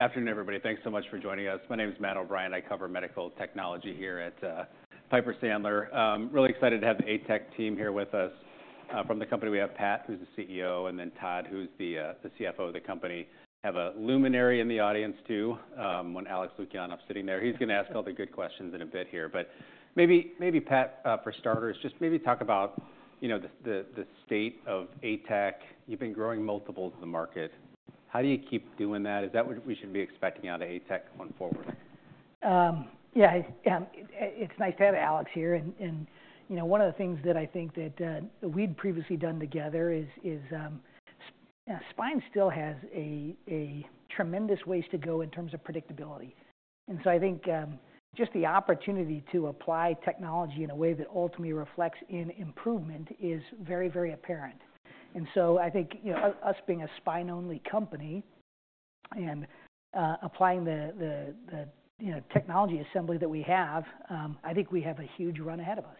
Afternoon, everybody. Thanks so much for joining us. My name is Matt O'Brien. I cover medical technology here at Piper Sandler. Really excited to have the ATEC team here with us. From the company, we have Pat, who's the CEO, and then Todd, who's the CFO of the company. I have a luminary in the audience too, one Alex Lukianov sitting there. He's going to ask all the good questions in a bit here. But maybe, Pat, for starters, just maybe talk about the state of ATEC. You've been growing multiples of the market. How do you keep doing that? Is that what we should be expecting out of ATEC going forward? Yeah, it's nice to have Alex here. And one of the things that I think that we'd previously done together is Spine still has a tremendous ways to go in terms of predictability. And so I think just the opportunity to apply technology in a way that ultimately reflects in improvement is very, very apparent. And so I think us being a Spine-only company and applying the technology assembly that we have, I think we have a huge run ahead of us.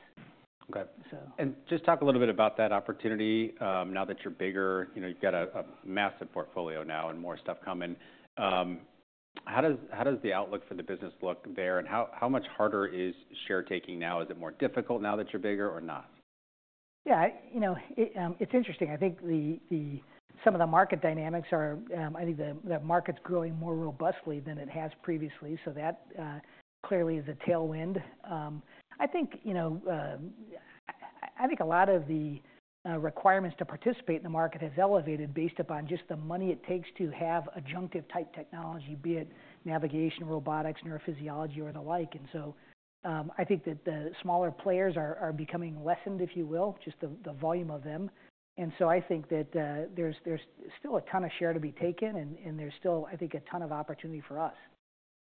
OK, and just talk a little bit about that opportunity. Now that you're bigger, you've got a massive portfolio now and more stuff coming. How does the outlook for the business look there? And how much harder is share-taking now? Is it more difficult now that you're bigger or not? Yeah, it's interesting. I think some of the market dynamics are I think the market's growing more robustly than it has previously. So that clearly is a tailwind. I think a lot of the requirements to participate in the market have elevated based upon just the money it takes to have adjunctive-type technology, be it navigation, robotics, neurophysiology, or the like. And so I think that the smaller players are becoming lessened, if you will, just the volume of them. And so I think that there's still a ton of share to be taken. And there's still, I think, a ton of opportunity for us.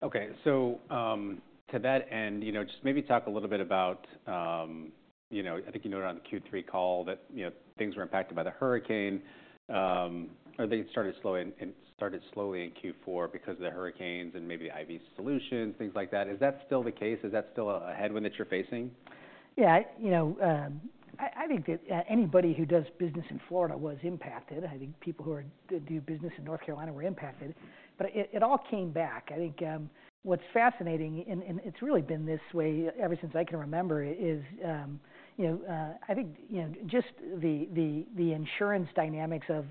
OK. So to that end, just maybe talk a little bit about I think you noted on the Q3 call that things were impacted by the hurricane, or they started slowly in Q4 because of the hurricanes and maybe the IV solutions, things like that. Is that still the case? Is that still a headwind that you're facing? Yeah, I think that anybody who does business in Florida was impacted. I think people who do business in North Carolina were impacted, but it all came back. I think what's fascinating, and it's really been this way ever since I can remember, is I think just the insurance dynamics of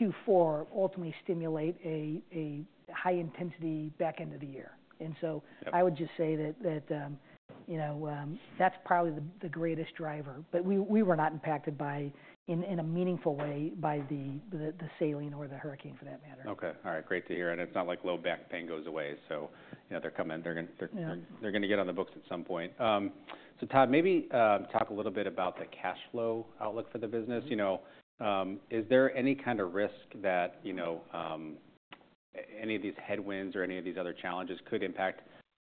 Q4 ultimately stimulate a high-intensity back end of the year, and so I would just say that that's probably the greatest driver, but we were not impacted in a meaningful way by the saline or the hurricane, for that matter. OK. All right, great to hear. And it's not like low back pain goes away. So they're coming. They're going to get on the books at some point. So Todd, maybe talk a little bit about the cash flow outlook for the business. Is there any kind of risk that any of these headwinds or any of these other challenges could impact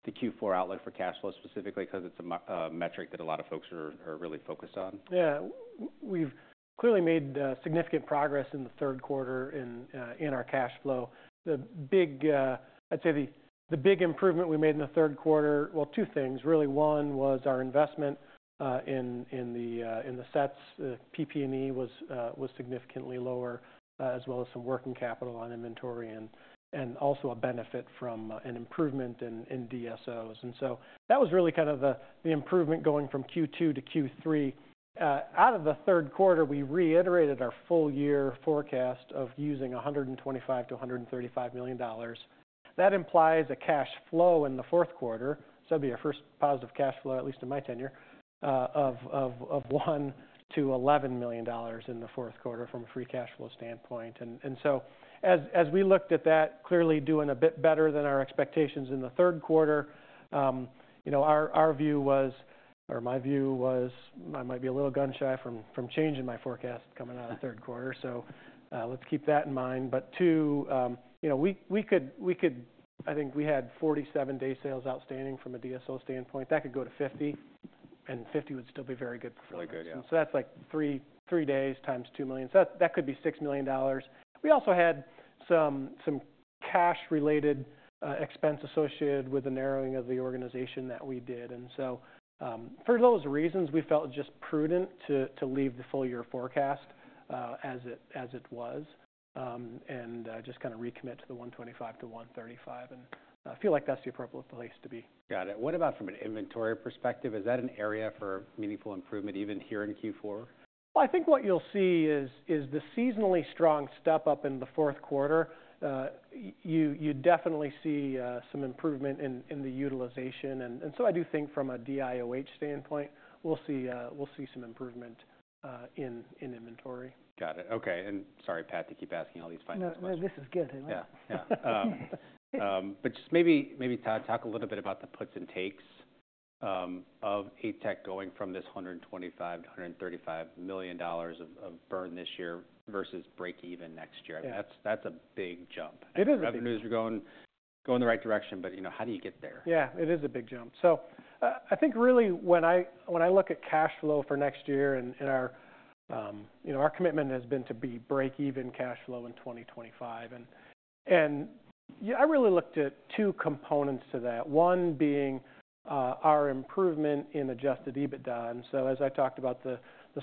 the Q4 outlook for cash flow specifically because it's a metric that a lot of folks are really focused on? Yeah, we've clearly made significant progress in the third quarter in our cash flow. The big, I'd say the big improvement we made in the third quarter, well, two things, really. One was our investment in the sets. PP&E was significantly lower, as well as some working capital on inventory and also a benefit from an improvement in DSOs, and so that was really kind of the improvement going from Q2 to Q3. Out of the third quarter, we reiterated our full-year forecast of using $125-$135 million. That implies a cash flow in the fourth quarter, so that'd be our first positive cash flow, at least in my tenure, of $1-$11 million in the fourth quarter from a free cash flow standpoint. And so as we looked at that, clearly doing a bit better than our expectations in the third quarter, our view was, or my view was, I might be a little gun-shy from changing my forecast coming out of the third quarter. So let's keep that in mind. But two, we could. I think we had 47 days sales outstanding from a DSO standpoint. That could go to 50. And 50 would still be very good for us. Really good, yeah. So that's like three days times $2 million. So that could be $6 million. We also had some cash-related expense associated with the narrowing of the organization that we did. And so for those reasons, we felt it was just prudent to leave the full-year forecast as it was and just kind of recommit to the $125-$135. And I feel like that's the appropriate place to be. Got it. What about from an inventory perspective? Is that an area for meaningful improvement even here in Q4? I think what you'll see is the seasonally strong step up in the fourth quarter. You definitely see some improvement in the utilization, and so I do think from a DIOH standpoint, we'll see some improvement in inventory. Got it. OK. And sorry, Pat, to keep asking all these final questions. No, this is good. Yeah, but just maybe, Todd, talk a little bit about the puts and takes of ATEC going from this $125-$135 million of burn this year versus break even next year. I mean, that's a big jump. It is. The revenues are going the right direction. But how do you get there? Yeah, it is a big jump. So I think really when I look at cash flow for next year and our commitment has been to be break even cash flow in 2025. And I really looked at two components to that, one being our improvement in Adjusted EBITDA. And so as I talked about the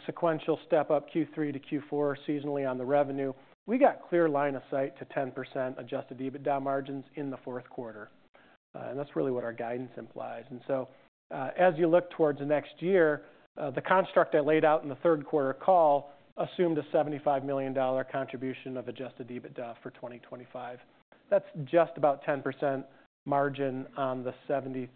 sequential step up Q3 to Q4 seasonally on the revenue, we got clear line of sight to 10% Adjusted EBITDA margins in the fourth quarter. And that's really what our guidance implies. And so as you look towards the next year, the construct I laid out in the third quarter call assumed a $75 million contribution of Adjusted EBITDA for 2025. That's just about 10% margin on the $730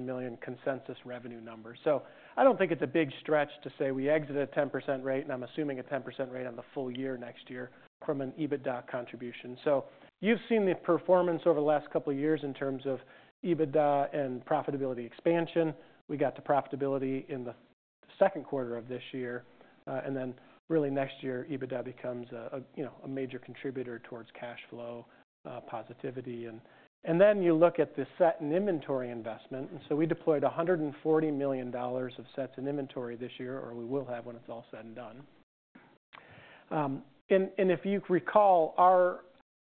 million consensus revenue number. So I don't think it's a big stretch to say we exit at a 10% rate. And I'm assuming a 10% rate on the full year next year from an EBITDA contribution. So you've seen the performance over the last couple of years in terms of EBITDA and profitability expansion. We got to profitability in the second quarter of this year. And then really next year, EBITDA becomes a major contributor towards cash flow positivity. And then you look at the set and inventory investment. And so we deployed $140 million of sets and inventory this year, or we will have when it's all said and done. And if you recall,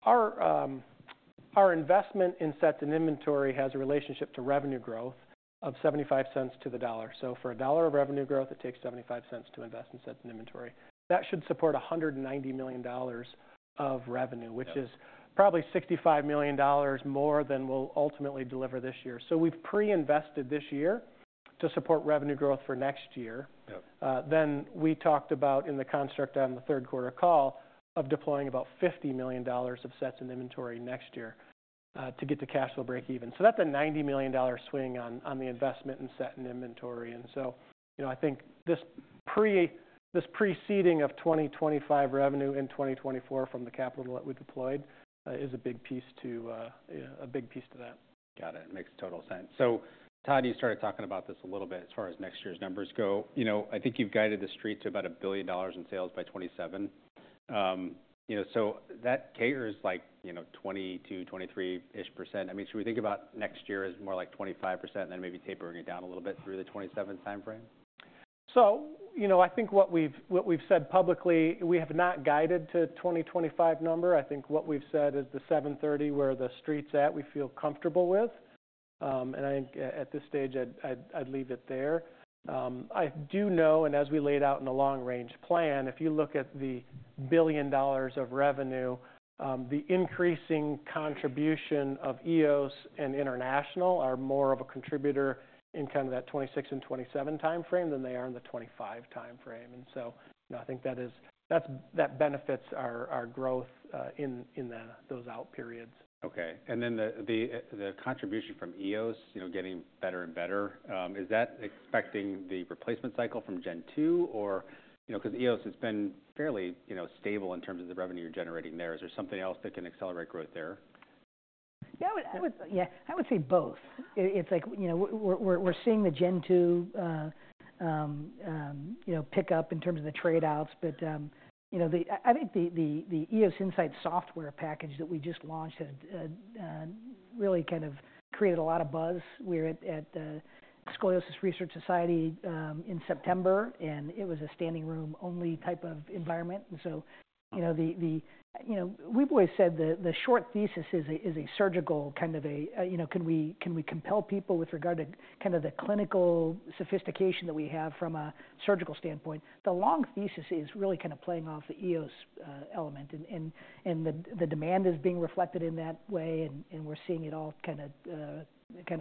our investment in sets and inventory has a relationship to revenue growth of $0.75 to the dollar. So for a dollar of revenue growth, it takes $0.75 to invest in sets and inventory. That should support $190 million of revenue, which is probably $65 million more than we'll ultimately deliver this year. So we've pre-invested this year to support revenue growth for next year. Then we talked about in the construct on the third quarter call of deploying about $50 million of sets and inventory next year to get to cash flow break even. So that's a $90 million swing on the investment in set and inventory. And so I think this preceding of 2025 revenue in 2024 from the capital that we deployed is a big piece to that. Got it. Makes total sense. So Todd, you started talking about this a little bit as far as next year's numbers go. I think you've guided the street to about $1 billion in sales by 2027. So that equates like 20%-23%-ish. I mean, should we think about next year as more like 25%, then maybe tapering it down a little bit through the 2027 time frame? So I think what we've said publicly, we have not guided to a 2025 number. I think what we've said is the $730, where the street's at, we feel comfortable with. And I think at this stage, I'd leave it there. I do know, and as we laid out in the long-range plan, if you look at the $1 billion of revenue, the increasing contribution of EOS and International are more of a contributor in kind of that 2026 and 2027 time frame than they are in the 2025 time frame. And so I think that benefits our growth in those out periods. OK. And then the contribution from EOS, getting better and better, is that affecting the replacement cycle from Gen 2? Because EOS has been fairly stable in terms of the revenue you're generating there. Is there something else that can accelerate growth there? Yeah, I would say both. It's like we're seeing the Gen 2 pick up in terms of the trade-offs. But I think the EOS Insight software package that we just launched has really kind of created a lot of buzz. We were at the Scoliosis Research Society in September, and it was a standing room-only type of environment, and so we've always said the short thesis is a surgical kind of a can we compel people with regard to kind of the clinical sophistication that we have from a surgical standpoint, the long thesis is really kind of playing off the EOS element, and the demand is being reflected in that way, and we're seeing it all kind of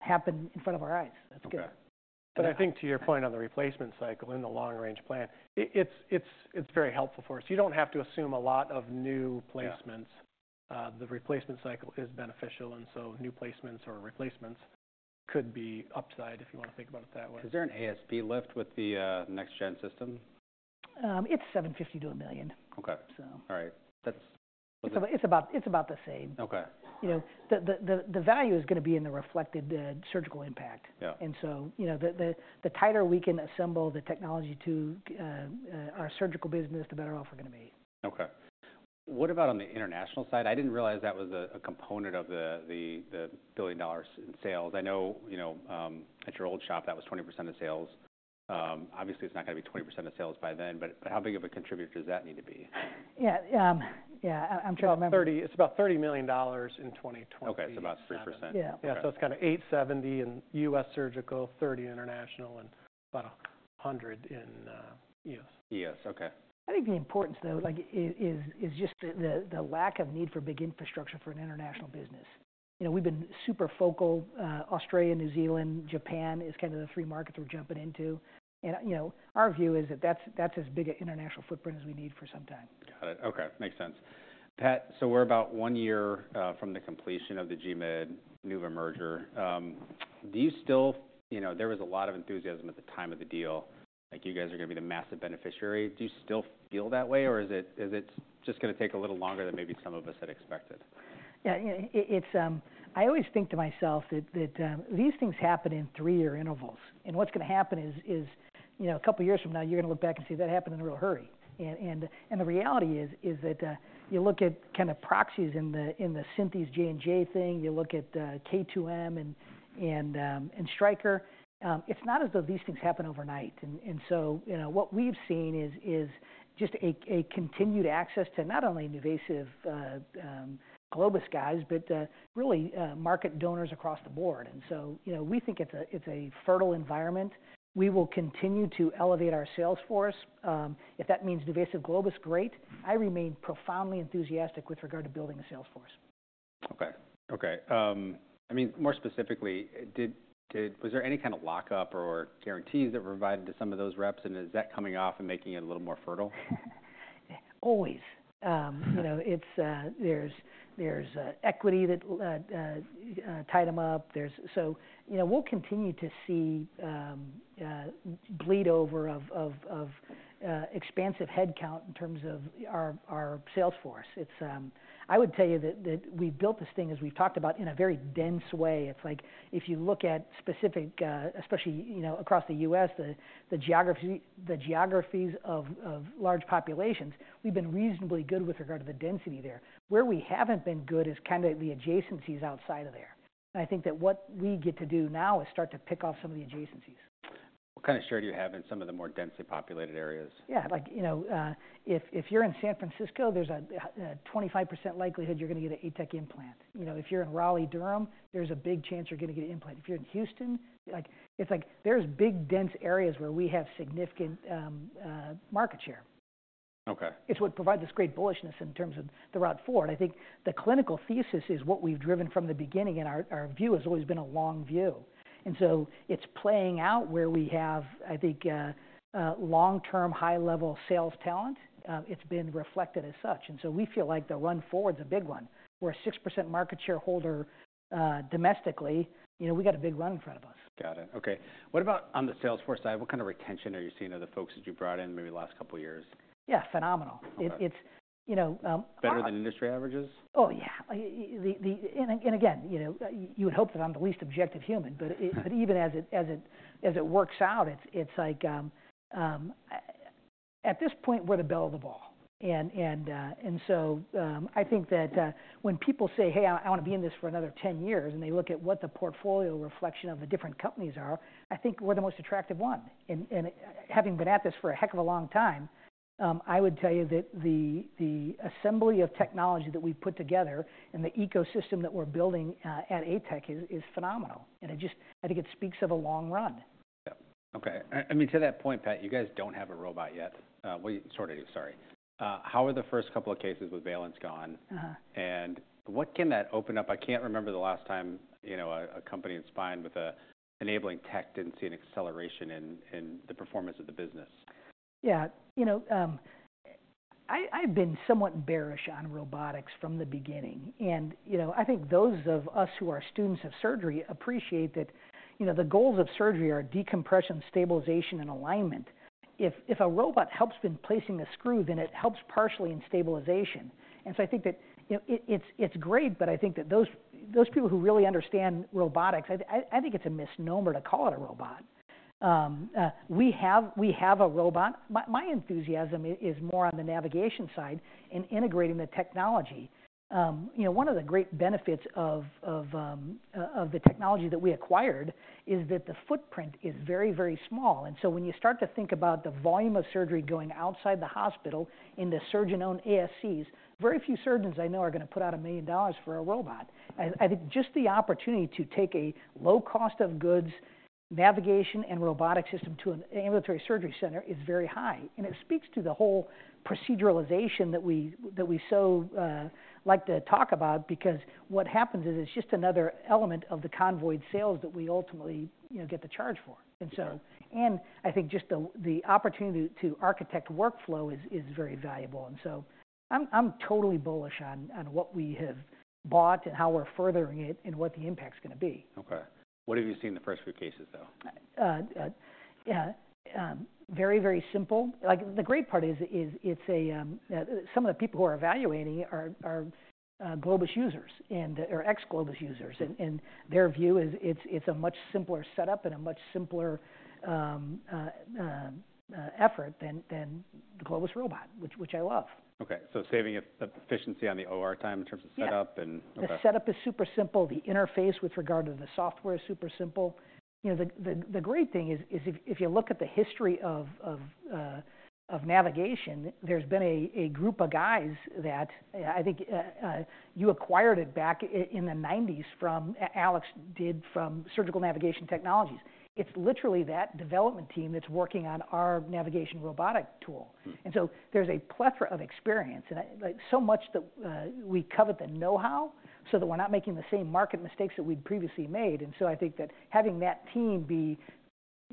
happen in front of our eyes. That's good. But I think to your point on the replacement cycle in the long-range plan, it's very helpful for us. You don't have to assume a lot of new placements. The replacement cycle is beneficial. And so new placements or replacements could be upside if you want to think about it that way. Is there an ASP lift with the next-gen system? It's $750,000-$1 million. OK. All right. It's about the same. OK. The value is going to be in the reflected surgical impact, and so the tighter we can assemble the technology to our surgical business, the better off we're going to be. OK. What about on the international side? I didn't realize that was a component of the billion dollars in sales. I know at your old shop, that was 20% of sales. Obviously, it's not going to be 20% of sales by then. But how big of a contributor does that need to be? Yeah, yeah. I'm trying to remember. It's about $30 million in 2022. OK, so about 3%. Yeah, yeah, so it's kind of $870 in U.S. surgical, $30 in international, and about $100 in EOS. EOS, OK. I think the importance, though, is just the lack of need for big infrastructure for an international business. We've been super focused. Australia, New Zealand, Japan is kind of the three markets we're jumping into, and our view is that that's as big an international footprint as we need for some time. Got it. OK, makes sense. Pat, so we're about one year from the completion of the GMED-NUVA merger. Do you still, there was a lot of enthusiasm at the time of the deal, like you guys are going to be the massive beneficiary. Do you still feel that way? Or is it just going to take a little longer than maybe some of us had expected? Yeah, I always think to myself that these things happen in three-year intervals. What's going to happen is a couple of years from now, you're going to look back and see that happened in a real hurry. The reality is that you look at kind of proxies in the Synthes J&J thing. You look at K2M and Stryker. It's not as though these things happen overnight. What we've seen is just a continued access to not only NuVasive Globus guys, but really market leaders across the board. We think it's a fertile environment. We will continue to elevate our sales force. If that means NuVasive Globus, great. I remain profoundly enthusiastic with regard to building a sales force. OK. I mean, more specifically, was there any kind of lockup or guarantees that were provided to some of those reps? And is that coming off and making it a little more fertile? Always. There's equity that tied them up. So we'll continue to see bleed over of expansive headcount in terms of our sales force. I would tell you that we built this thing, as we've talked about, in a very dense way. It's like if you look at specific, especially across the U.S., the geographies of large populations, we've been reasonably good with regard to the density there. Where we haven't been good is kind of the adjacencies outside of there. And I think that what we get to do now is start to pick off some of the adjacencies. What kind of share do you have in some of the more densely populated areas? Yeah, like if you're in San Francisco, there's a 25% likelihood you're going to get an ATEC implant. If you're in Raleigh, Durham, there's a big chance you're going to get an implant. If you're in Houston, it's like there's big dense areas where we have significant market share. OK. It's what provides us great bullishness in terms of the route forward. I think the clinical thesis is what we've driven from the beginning, and our view has always been a long view, and so it's playing out where we have, I think, long-term high-level sales talent. It's been reflected as such, and so we feel like the run forward is a big one. We're a 6% market shareholder domestically. We've got a big run in front of us. Got it. OK. What about on the sales force side? What kind of retention are you seeing of the folks that you brought in maybe the last couple of years? Yeah, phenomenal. Better than industry averages? Oh, yeah. And again, you would hope that I'm the least objective human. But even as it works out, it's like at this point, we're the bell of the ball. And so I think that when people say, hey, I want to be in this for another 10 years, and they look at what the portfolio reflection of the different companies are, I think we're the most attractive one. And having been at this for a heck of a long time, I would tell you that the assembly of technology that we've put together and the ecosystem that we're building at ATEC is phenomenal. And I think it speaks of a long run. Yeah. OK. I mean, to that point, Pat, you guys don't have a robot yet. Well, you sort of do, sorry. How are the first couple of cases with Valence gone? And what can that open up? I can't remember the last time a company inspired with an enabling tech didn't see an acceleration in the performance of the business. Yeah, I've been somewhat bearish on robotics from the beginning. And I think those of us who are students of surgery appreciate that the goals of surgery are decompression, stabilization, and alignment. If a robot helps in placing a screw, then it helps partially in stabilization. And so I think that it's great. But I think that those people who really understand robotics, I think it's a misnomer to call it a robot. We have a robot. My enthusiasm is more on the navigation side and integrating the technology. One of the great benefits of the technology that we acquired is that the footprint is very, very small. And so when you start to think about the volume of surgery going outside the hospital in the surgeon-owned ASCs, very few surgeons I know are going to put out $1 million for a robot. I think just the opportunity to take a low cost of goods navigation and robotic system to an ambulatory surgery center is very high. And it speaks to the whole proceduralization that we so like to talk about. Because what happens is it's just another element of the convoy of sales that we ultimately get the charge for. And I think just the opportunity to architect workflow is very valuable. And so I'm totally bullish on what we have bought and how we're furthering it and what the impact's going to be. OK. What have you seen in the first few cases, though? Very, very simple. The great part is some of the people who are evaluating are Globus users and are ex-Globus users. And their view is it's a much simpler setup and a much simpler effort than the Globus robot, which I love. OK, so saving efficiency on the OR time in terms of setup and. The setup is super simple. The interface with regard to the software is super simple. The great thing is if you look at the history of navigation, there's been a group of guys that I think you acquired it back in the 1990s from Alex did from Surgical Navigation Technologies. It's literally that development team that's working on our navigation robotic tool. And so there's a plethora of experience. And so much that we covet the know-how so that we're not making the same market mistakes that we'd previously made. And so I think that having that team be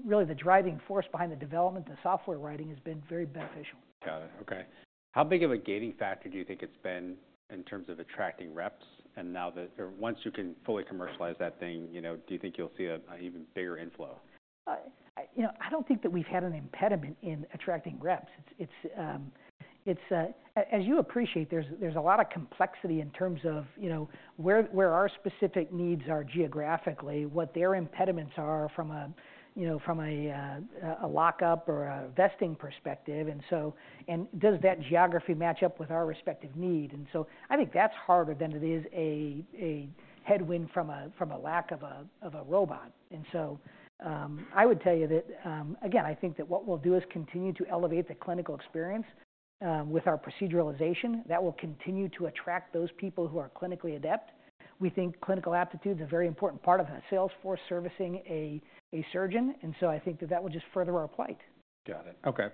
really the driving force behind the development and the software writing has been very beneficial. Got it. OK. How big of a gating factor do you think it's been in terms of attracting reps? And now that once you can fully commercialize that thing, do you think you'll see an even bigger inflow? I don't think that we've had an impediment in attracting reps. As you appreciate, there's a lot of complexity in terms of where our specific needs are geographically, what their impediments are from a lockup or a vesting perspective, and does that geography match up with our respective need? So I think that's harder than it is a headwind from a lack of a robot. So I would tell you that, again, I think that what we'll do is continue to elevate the clinical experience with our proceduralization. That will continue to attract those people who are clinically adept. We think clinical aptitudes are a very important part of a sales force servicing a surgeon. So I think that that will just further our plight. Got it. OK,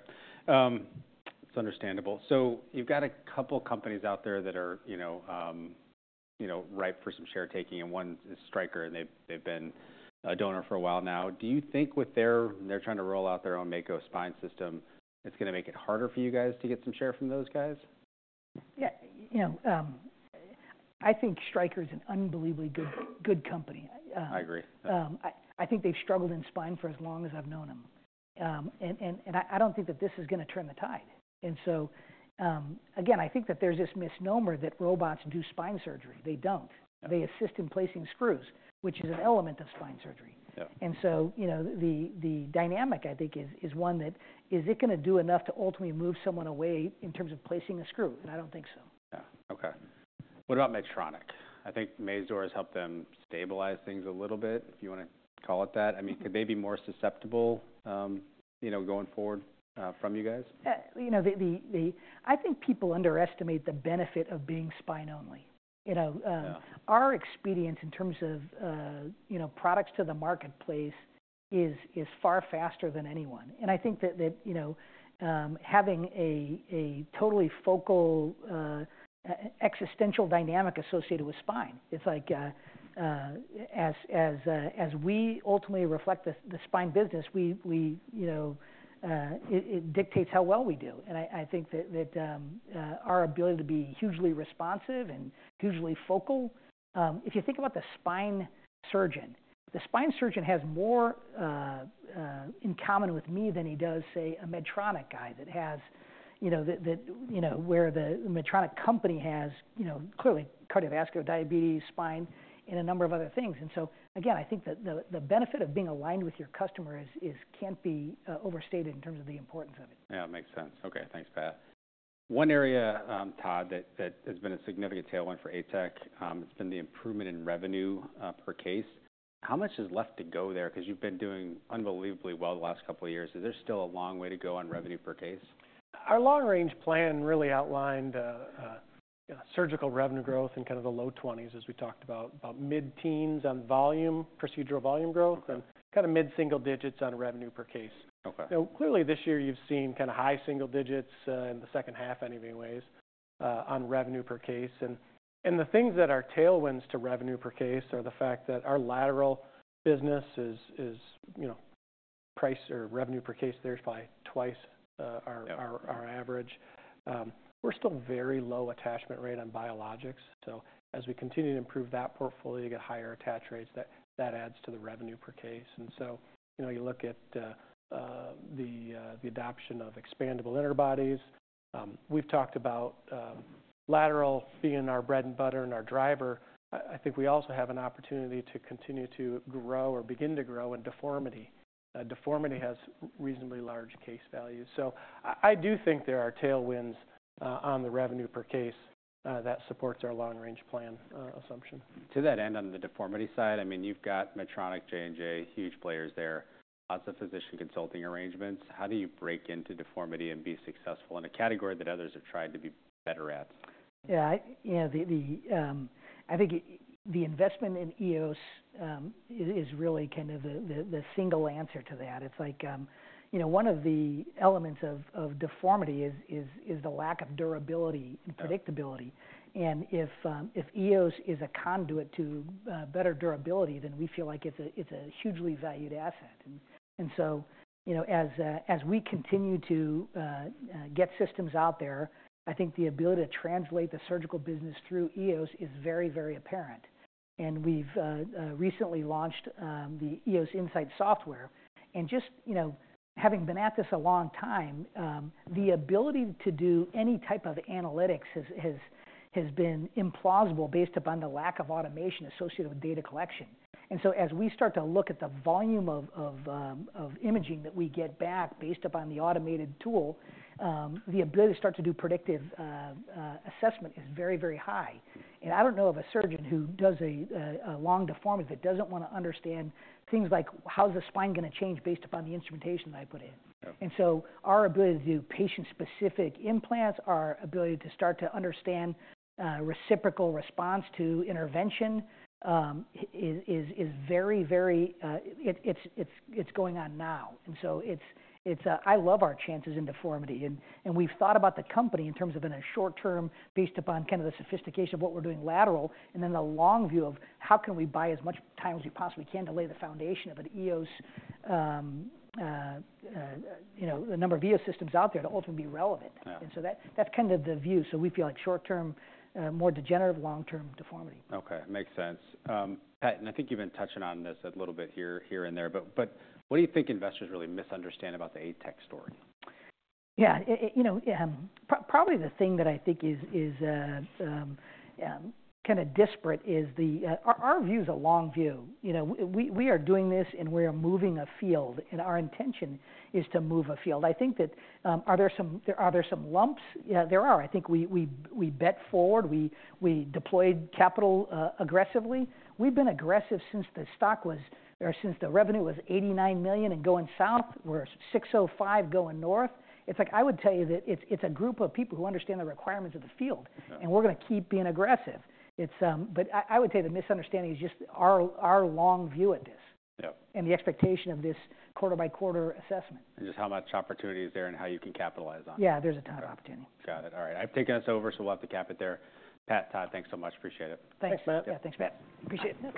that's understandable, so you've got a couple of companies out there that are ripe for some share taking, and one is Stryker, and they've been a donor for a while now. Do you think with their they're trying to roll out their own Mako spine system, it's going to make it harder for you guys to get some share from those guys? Yeah, I think Stryker is an unbelievably good company. I agree. I think they've struggled in spine for as long as I've known them. And I don't think that this is going to turn the tide. And so again, I think that there's this misnomer that robots do spine surgery. They don't. They assist in placing screws, which is an element of spine surgery. And so the dynamic, I think, is one that is it going to do enough to ultimately move someone away in terms of placing a screw? And I don't think so. Yeah, OK. What about Medtronic? I think Mazor has helped them stabilize things a little bit, if you want to call it that. I mean, could they be more susceptible going forward from you guys? I think people underestimate the benefit of being spine only. Our experience in terms of products to the marketplace is far faster than anyone. And I think that having a totally focused existential dynamic associated with spine, it's like as we ultimately reflect the spine business, it dictates how well we do. And I think that our ability to be hugely responsive and hugely focused, if you think about the spine surgeon, the spine surgeon has more in common with me than he does, say, a Medtronic guy that has where the Medtronic company has clearly cardiovascular, diabetes, spine, and a number of other things. And so again, I think that the benefit of being aligned with your customer can't be overstated in terms of the importance of it. Yeah, it makes sense. OK, thanks, Pat. One area, Todd, that has been a significant tailwind for ATEC, it's been the improvement in revenue per case. How much is left to go there? Because you've been doing unbelievably well the last couple of years. Is there still a long way to go on revenue per case? Our long-range plan really outlined surgical revenue growth in kind of the low-20s%, as we talked about, about mid-teens% on volume, procedural volume growth, and kind of mid-single-digits% on revenue per case. Now, clearly, this year, you've seen kind of high single-digits% in the second half anyways on revenue per case. And the things that are tailwinds to revenue per case are the fact that our lateral business's price or revenue per case there is probably twice our average. We're still at a very low attachment rate on biologics. So as we continue to improve that portfolio, you get higher attach rates. That adds to the revenue per case. And so you look at the adoption of expandable interbodies. We've talked about lateral being our bread and butter and our driver. I think we also have an opportunity to continue to grow or begin to grow in deformity. Deformity has reasonably large case values. So I do think there are tailwinds on the revenue per case that supports our long-range plan assumption. To that end, on the deformity side, I mean, you've got Medtronic, J&J, huge players there, lots of physician consulting arrangements. How do you break into deformity and be successful in a category that others have tried to be better at? Yeah, I think the investment in EOS is really kind of the single answer to that. It's like one of the elements of deformity is the lack of durability and predictability. And if EOS is a conduit to better durability, then we feel like it's a hugely valued asset. And so as we continue to get systems out there, I think the ability to translate the surgical business through EOS is very, very apparent. And we've recently launched the EOS Insight software. And just having been at this a long time, the ability to do any type of analytics has been implausible based upon the lack of automation associated with data collection. And so as we start to look at the volume of imaging that we get back based upon the automated tool, the ability to start to do predictive assessment is very, very high. And I don't know of a surgeon who does a long deformity that doesn't want to understand things like how's the spine going to change based upon the instrumentation that I put in. And so our ability to do patient-specific implants, our ability to start to understand reciprocal response to intervention is very, very. It's going on now. And so I love our chances in deformity. And we've thought about the company in terms of in a short term based upon kind of the sophistication of what we're doing lateral and then the long view of how can we buy as much time as we possibly can to lay the foundation of an EOS, the number of EOS systems out there to ultimately be relevant. And so that's kind of the view. So we feel like short term, more degenerative, long-term deformity. OK, makes sense. Pat, and I think you've been touching on this a little bit here and there. But what do you think investors really misunderstand about the ATEC story? Yeah, probably the thing that I think is kind of disparate is our view is a long view. We are doing this, and we are moving a field. And our intention is to move a field. I think that are there some lumps? Yeah, there are. I think we bet forward. We deployed capital aggressively. We've been aggressive since the stock was or since the revenue was $89 million and going south, we're $605 going north. It's like I would tell you that it's a group of people who understand the requirements of the field. And we're going to keep being aggressive. But I would tell you the misunderstanding is just our long view at this and the expectation of this quarter-by-quarter assessment. Just how much opportunity is there and how you can capitalize on it? Yeah, there's a ton of opportunity. Got it. All right, I've taken us over. So we'll have to cap it there. Pat, Todd, thanks so much. Appreciate it. Thanks, Matt. Yeah, thanks, Matt. Appreciate it.